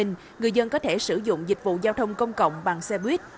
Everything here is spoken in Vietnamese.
người dân có thể sử dụng dịch vụ giao thông công cộng bằng xe buýt